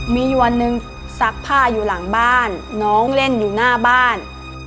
มีอยู่วันหนึ่งซักผ้าอยู่หลังบ้านน้องเล่นอยู่หน้าบ้าน